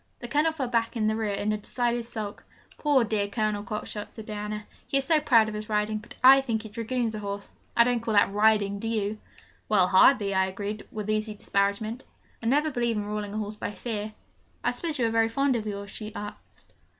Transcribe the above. The Colonel fell back in the rear in a decided sulk. 'Poor dear Colonel Cockshott!' said Diana, 'he is so proud of his riding, but I think he dragoons a horse. I don't call that riding, do you?' 'Well hardly,' I agreed, with easy disparagement. 'I never believe in ruling a horse by fear.' 'I suppose you are very fond of yours?' she said.